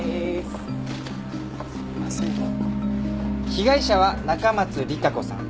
被害者は中松里香子さん。